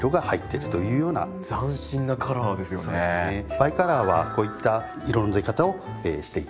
バイカラーはこういった色の出方をしていきますね。